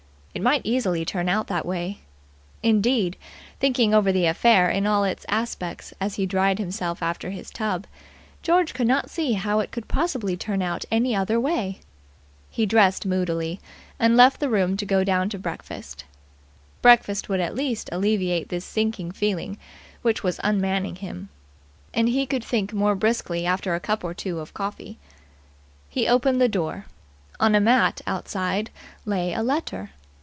It might easily turn out that way. Indeed, thinking over the affair in all its aspects as he dried himself after his tub, George could not see how it could possibly turn out any other way. He dressed moodily, and left the room to go down to breakfast. Breakfast would at least alleviate this sinking feeling which was unmanning him. And he could think more briskly after a cup or two of coffee. He opened the door. On a mat outside lay a letter.